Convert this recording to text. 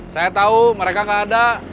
saya tahu mereka nggak ada